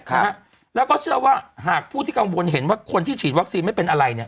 นะฮะแล้วก็เชื่อว่าหากผู้ที่กังวลเห็นว่าคนที่ฉีดวัคซีนไม่เป็นอะไรเนี่ย